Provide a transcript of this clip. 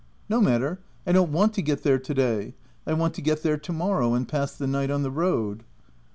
" No matter, I don't want to get there to day ; I want to get there to morrow, and pass the night on the road."